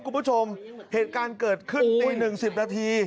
คุณผู้ชมเหตุการณ์เกิดขึ้นตีหนึ่งสิบนาที